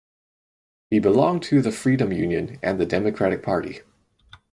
He belonged to the Freedom Union and the Democratic Party.